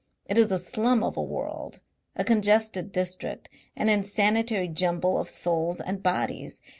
It is a slum of a world, a congested district, an insanitary jumble of souls and bodies.